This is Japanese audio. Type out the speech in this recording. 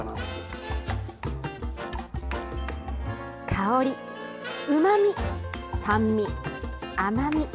香り、うまみ、酸味、甘み。